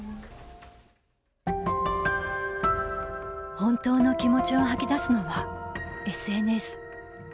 本当の気持ちを吐き出すのはＳＮＳ。